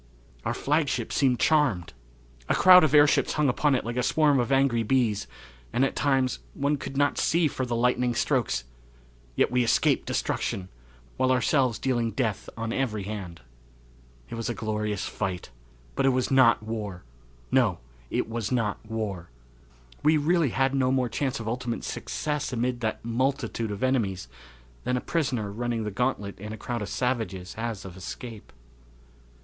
Our flagship seemed charmed. A crowd of airships hung upon it like a swarm of angry bees, and, at times, one could not see for the lightning strokes yet we escaped destruction, while ourselves dealing death on every hand. It was a glorious fight, but it was not war; no, it was not war. We really had no more chance of ultimate success amid that multitude of enemies than a prisoner running the gauntlet in a crowd of savages has of escape.